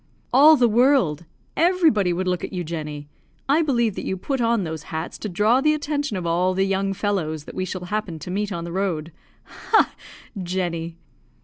"All the world, everybody would look at you, Jenny. I believe that you put on those hats to draw the attention of all the young fellows that we shall happen to meet on the road. Ha, Jenny!"